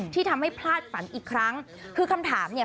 ที่ทำให้พลาดฝันอีกครั้งคือคำถามเนี่ย